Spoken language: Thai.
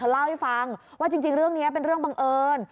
เล่าให้ฟังว่าจริงเรื่องนี้เป็นเรื่องบังเอิญ